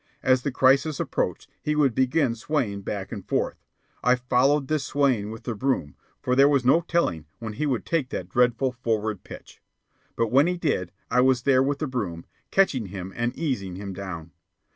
As the crisis approached he would begin swaying back and forth. I followed this swaying with the broom, for there was no telling when he would take that dreadful forward pitch. But when he did, I was there with the broom, catching him and easing him down.